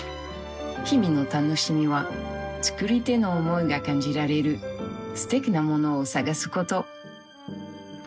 日々の楽しみは作り手の思いが感じられるすてきなものを探すこと。